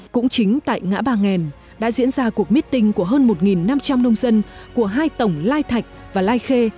cũng chính tại ngã ba nghèn đã diễn ra cuộc meeting của hơn một năm trăm linh nông dân của hai tổng lai thạch và lai khê